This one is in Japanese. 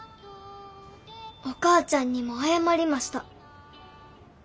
お母ちゃんにも謝りました。